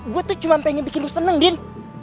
gue tuh cuma pengen bikin lo seneng din